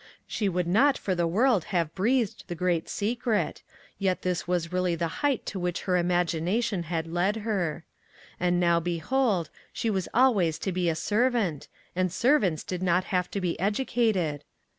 She would not for the world have breathed the great secret, yet this was really the height to which her imagination had led her. And now, behold, she was always to be a servant, and servants did not have to be educated